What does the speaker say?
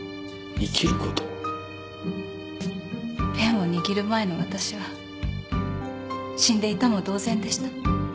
ペンを握る前の私は死んでいたも同然でした。